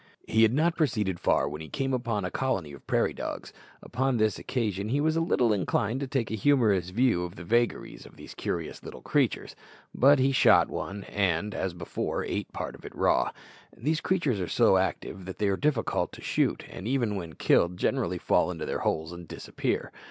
He had not proceeded far when he came upon a colony of prairie dogs. Upon this occasion he was little inclined to take a humorous view of the vagaries of these curious little creatures, but he shot one, and, as before, ate part of it raw. These creatures are so active that they are difficult to shoot, and even when killed generally fall into their holes and disappear.